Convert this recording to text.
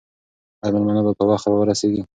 آیا مېلمانه به په وخت راورسېږي؟